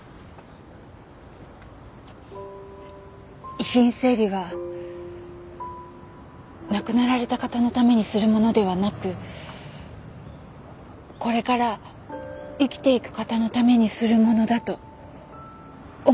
遺品整理は亡くなられた方のためにするものではなくこれから生きていく方のためにするものだと思っています。